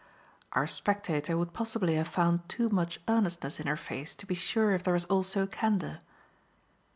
Our spectator would possibly have found too much earnestness in her face to be sure if there was also candour.